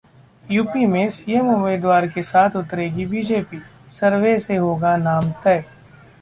UP में CM उम्मीदवार के साथ उतरेगी बीजेपी! सर्वे से होगा नाम तय